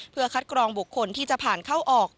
เพื่อคัดกรองบุคคลที่จะผ่านเข้าออก